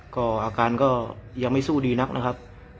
ก็อาการก็ยังไม่สู้ดีนักนะครับ